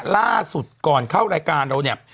ล่าสุดก่อนเข้ารายการเราเนี่ย